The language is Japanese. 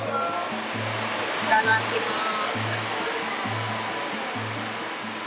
いただきます。